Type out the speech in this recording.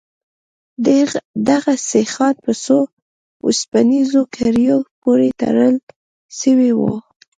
دغه سيخان په څو وسپنيزو کړيو پورې تړل سوي وو.